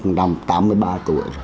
năm tám mươi ba tuổi